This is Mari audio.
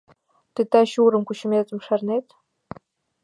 Тый таче Урым кучыметым шарнет?